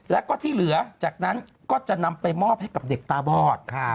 แล้วก็ที่เหลือจากนั้นก็จะนำไปมอบให้กับเด็กตาบอด